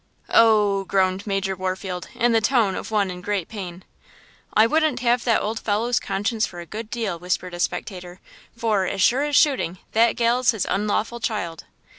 "Oh h h!" groaned Major Warfield, in the tone of one in great pain. "I wouldn't have that old fellow's conscience for a good deal," whispered a spectator, "for, as sure as shooting, that gal's his unlawful child!"